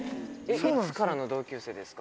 いつからの同級生ですか？